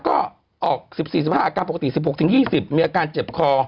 แล้วก็๑๔๑๕ก็ออกอาการปกติ๑๖ถึง๒๐มีอาการเจ็บคอ